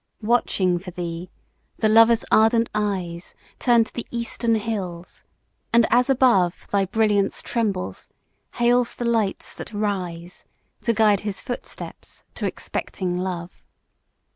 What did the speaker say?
Watching for thee, the lover's ardent eyes Turn to the eastern hills; and as above Thy brilliance trembles, hails the lights that rise To guide his footsteps to expecting love!